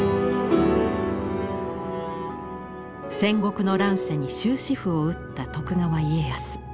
戦国の乱世に終止符を打った徳川家康。